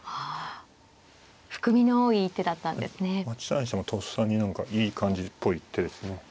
８三飛車もとっさに何かいい感じっぽい手ですね。